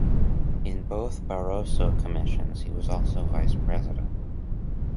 In both Barroso Commissions he was also vice-president.